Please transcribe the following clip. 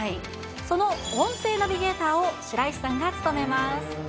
その音声ナビゲーターを、白石さんが務めます。